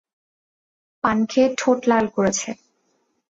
পান খেয়ে ঠোঁট লাল করেছে।